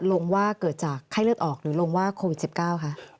ลงว่าเกิดจากไข้เลือดออกหรือลงว่าโควิด๑๙คะ